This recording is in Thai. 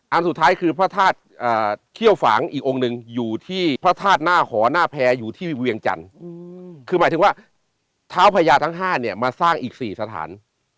สุดท้ายคือพระธาตุเขี้ยวฝางอีกองค์หนึ่งอยู่ที่พระธาตุหน้าหอหน้าแพรอยู่ที่เวียงจันทร์คือหมายถึงว่าเท้าพญาทั้ง๕เนี่ยมาสร้างอีก๔สถาน